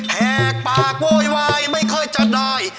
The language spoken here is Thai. แหกปากโวยวายไม่เคยจัดได้